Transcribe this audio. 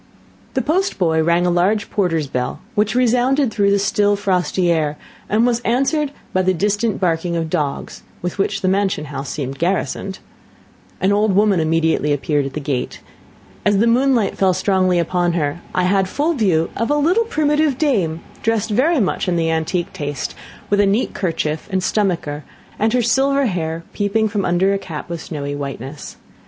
The post boy rang a large porter's bell, which resounded through the still, frosty air, and was answered by the distant barking of dogs, with which the mansion house seemed garrisoned. An old woman immediately appeared at the gate. As the moonlight fell strongly upon her, I had full view of a little primitive dame, dressed very much in the antique taste, with a neat kerchief and stomacher, and her silver hair peeping from under a cap of snowy whiteness.